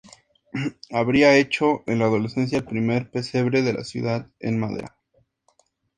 Habría hecho, en la adolescencia, el primer pesebre de la ciudad, en madera.